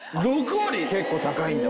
結構高いんだ。